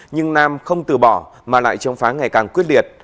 nhưng nam không từ bỏ mà lại chống phá ngày càng quyết liệt